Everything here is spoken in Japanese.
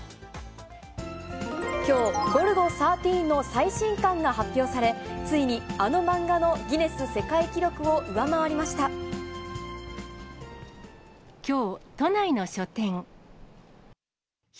きょう、ゴルゴ１３の最新巻が発表され、ついにあの漫画のギネス世界記録きょう、都内の書店。